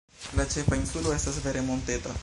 La ĉefa insulo estas vere monteta.